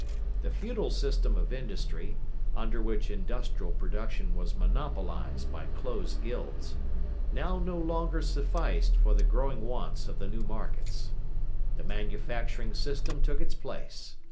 The feudal system of industry, under which industrial production was monopolised by closed guilds, now no longer sufficed for the growing wants of the new markets. The manufacturing system took its place.